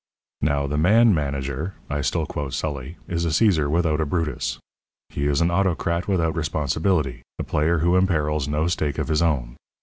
Now, the man manager (I still quote Sully) is a Cæsar without a Brutus. He is an autocrat without responsibility, a player who imperils no stake of his own.